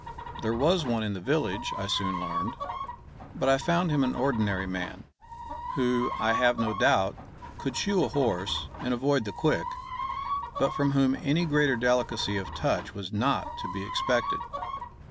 There was one in the village, I soon learned; but I found him an ordinary man, who, I have no doubt, could shoe a horse and avoid the quick, but from whom any greater delicacy of touch was not to be expected.